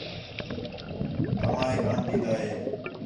آوایک آن ݙین٘دا ہِے